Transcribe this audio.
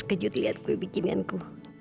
kamu jelas nolong aku